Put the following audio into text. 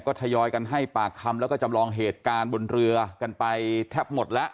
ก็ทยอยกันให้ปากคำแล้วก็จำลองเหตุการณ์บนเรือกันไปแทบหมดแล้ว